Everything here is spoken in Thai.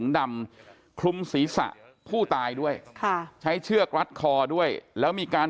ดำคลุมศีรษะผู้ตายด้วยค่ะใช้เชือกรัดคอด้วยแล้วมีการ